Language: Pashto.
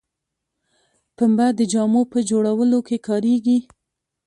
پنبه د جامو په جوړولو کې کاریږي